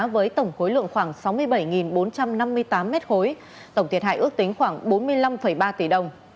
với tổng khối lượng khoảng sáu mươi bảy bốn trăm năm mươi tám m ba tổng thiệt hại ước tính khoảng bốn mươi năm ba tỷ đồng